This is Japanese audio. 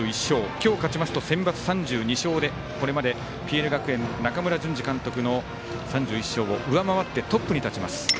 今日、勝ちますとセンバツ、３２勝でこれまでＰＬ学園中村順司監督の３１勝を上回ってトップに立ちます。